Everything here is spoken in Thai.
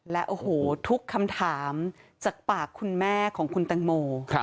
และโอ้โหทุกคำถามจากปากคุณแม่ของคุณแตงโม